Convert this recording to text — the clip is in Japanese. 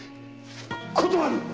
断る！